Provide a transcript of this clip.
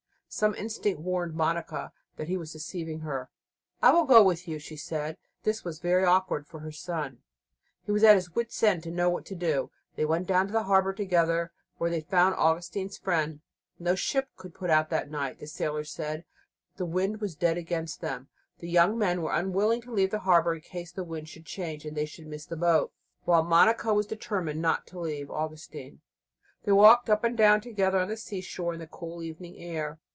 Some instinct warned Monica that he was deceiving her. "I will go with you," she said. This was very awkward for her son; he was at his wit's end to know what to do. They went down to the harbour together, where they found Augustine's friend. No ship could put out that night, the sailors said, the wind was dead against them. The young men were unwilling to leave the harbour in case the wind should change and they should miss the boat, while Monica was determined not to leave Augustine. They walked up and down together on the seashore in the cool evening air.